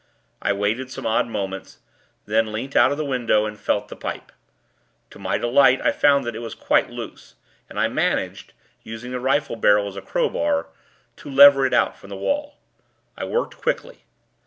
I waited some odd moments; then leant out of the window and felt the pipe. To my delight, I found that it was quite loose, and I managed, using the rifle barrel as a crowbar, to lever it out from the wall. I worked quickly.